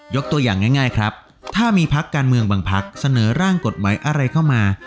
ตัวอย่างง่ายครับถ้ามีพักการเมืองบางพักเสนอร่างกฎหมายอะไรเข้ามา